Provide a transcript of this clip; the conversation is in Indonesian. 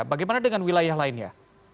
bagaimana dengan wilayah lainnya